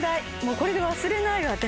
これで忘れない私。